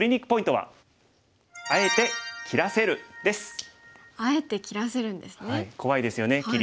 はい怖いですよね切り。